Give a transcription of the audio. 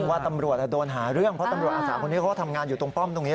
ว่าตำรวจโดนหาเรื่องเพราะตำรวจอาสาคนนี้เขาก็ทำงานอยู่ตรงป้อมตรงนี้